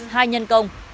hai nhân công